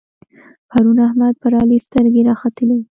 پرون احمد پر علي سترګې راکښلې وې.